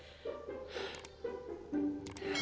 kenapa sih kamu gak mau nerutin papa kamu